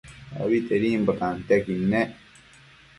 Abitedimbo tantiaquid nec